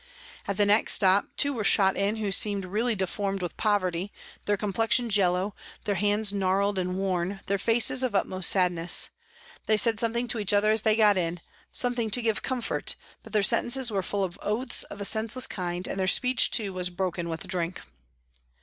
At the next stop, two were shot in who seemed really deformed with poverty, their com plexions yellow, their hands gnarled and worn, their faces of utmost sadness. They said some thing to each other as they got in something to give comfort, but their sentences were full of oaths of a senseless kind, and their speech, too, was broken with drink.